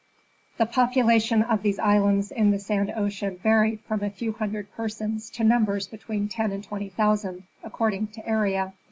The population of these islands in the sand ocean varied from a few hundred persons to numbers between ten and twenty thousand, according to area.